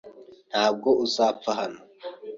Ntabwo uzapfa hano.